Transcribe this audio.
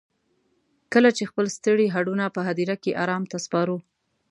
کله چې خپل ستړي هډونه په هديره کې ارام ته سپارو.